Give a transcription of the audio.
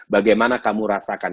bagaimana kamu rasakan